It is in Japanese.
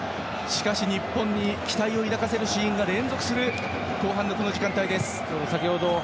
しかし、日本に期待を抱かせるシーンが連続する後半のこの時間帯です。